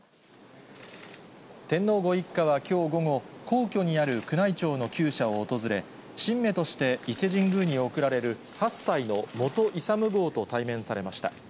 天皇ご一家はきょう午後、皇居にある宮内庁のきゅう舎を訪れ、神馬として伊勢神宮に贈られる、８歳の本勇号と対面されました。